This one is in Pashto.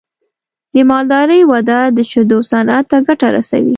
د مالدارۍ وده د شیدو صنعت ته ګټه رسوي.